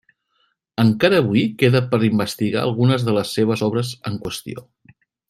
Encara avui queda per investigar algunes de les seves obres en qüestió.